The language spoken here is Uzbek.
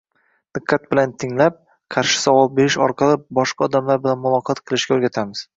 diqqat bilan tinglab, qarshi savol berish orqali boshqa odamlar bilan muloqot qilishga o‘rgatamiz.